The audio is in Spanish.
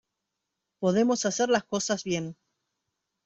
podemos hacer las cosas bien.